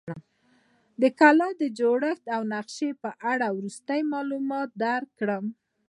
د کلا د جوړښت او نقشې په اړه به وروسته معلومات درکړم.